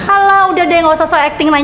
ala udah deh gausah so acting